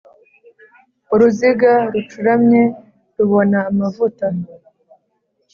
uruziga rucuramye rubona amavuta